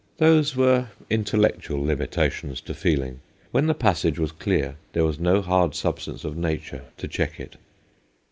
Those were intellectual limitations to feeling : when the passage was clear there was no hard substance of nature to check it.